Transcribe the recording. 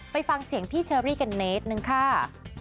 ไปฟังเสียงพี่เชอรี่กันนิดนึงค่ะ